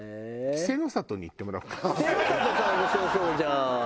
稀勢の里さん面白そうじゃん！